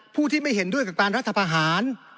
ผู้ที่ไม่เห็นด้วยกับการรัฐพาหาร